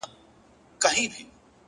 هوښیار انتخاب اوږدمهاله ارامي راولي،